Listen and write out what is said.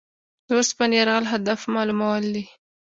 د اوسني یرغل هدف معلومول دي.